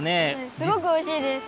すごくおいしいです。